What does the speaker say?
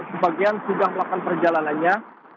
sebagian sudah melakukan perjalanannya